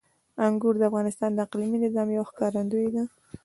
انګور د افغانستان د اقلیمي نظام یوه ښکارندوی ده.